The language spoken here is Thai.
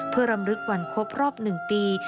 เพื่อรำลึกวันครบรอบ๑ปี